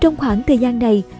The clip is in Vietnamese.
trong khoảng thời gian này